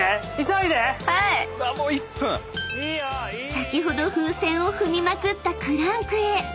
［先ほど風船を踏みまくったクランクへ］